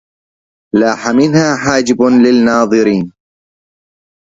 لاح منها حاجب للناظرين